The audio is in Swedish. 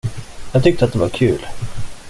Jag tyckte att det var kul.